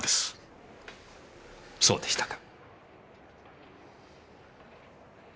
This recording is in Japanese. そうでしたか。